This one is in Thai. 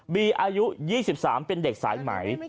อายุ๒๓เป็นเด็กสายไหม